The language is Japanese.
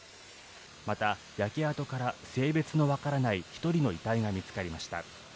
また、焼け跡から性別の分からない１人の遺体が見つかりました。